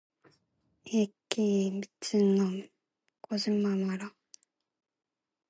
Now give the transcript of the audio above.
엣기 미친놈, 거짓말 말아.